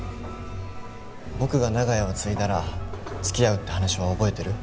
僕が長屋を継いだら付き合うって話は覚えてる？